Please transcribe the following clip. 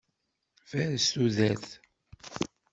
Fares tudert!